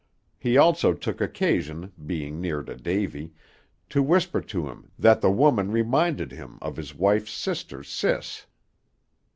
He also took occasion, being near to Davy, to whisper to him that the woman reminded him of his wife's sister Sis.